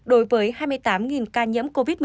đối với hai mươi tám ca nhiễm covid một mươi chín